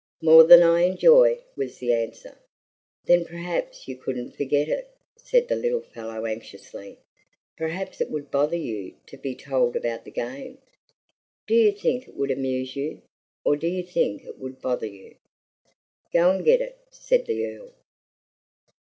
"More than I enjoy," was the answer. "Then perhaps you couldn't forget it," said the little fellow anxiously. "Perhaps it would bother you to be told about the game. Do you think it would amuse you, or do you think it would bother you?" "Go and get it," said the Earl.